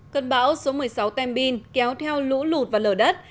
cơn bão số một mươi sáu tembin kéo theo lũ lụt và lở đất